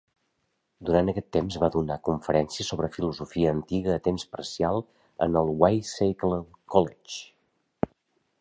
Durant aquest temps va donar conferències sobre filosofia antiga a temps parcial en el Wycliffe College.